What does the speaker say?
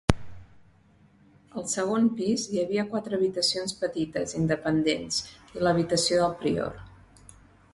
Al segon pis hi havia quatre habitacions petites independents i l'habitació del prior.